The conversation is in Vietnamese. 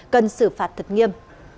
cần xử phạt thật nghiêm